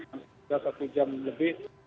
sudah satu jam lebih